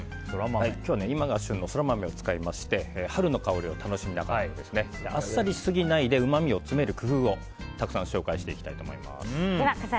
今日は今が旬のソラマメを使いまして春の香りを楽しみながらあっさりしすぎないでうまみを詰める工夫をたくさん紹介していきたいと思います。